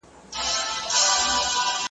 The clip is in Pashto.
یو داسې نامعلومــه وعده راکړه چې پرې پایم